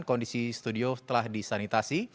kondisi studio telah disanitasi